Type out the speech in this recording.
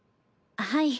はい。